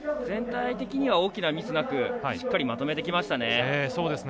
全体的には大きなミスなくしっかりまとめてきました。